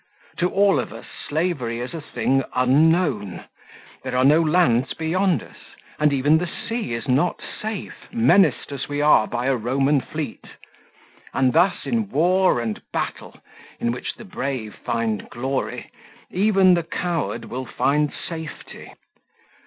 To all of us slavery is a thing unknown; there are no lands beyond us, and even the sea is not safe, menaced as we are by a Roman fleet. And thus in war and battle, in which the brave find glory, even the coward will find safety.